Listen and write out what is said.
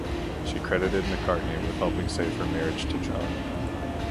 She credited McCartney with helping save her marriage to John.